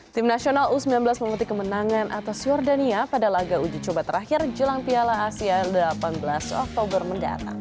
tim nasional u sembilan belas memetik kemenangan atas jordania pada laga uji coba terakhir jelang piala asia delapan belas oktober mendatang